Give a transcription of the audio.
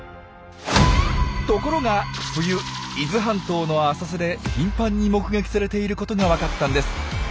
ところが冬伊豆半島の浅瀬で頻繁に目撃されていることがわかったんです。